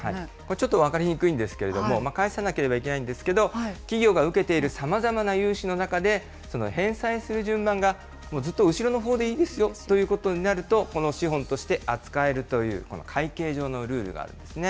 ちょっと分かりにくいんですけれども、返さなければいけないんですけれども、企業が受けている様々な融資の中で、返済する順番がずっと後ろのほうでいいですよということになると、この資本として扱えるという、この会計上のルールがあるんですね。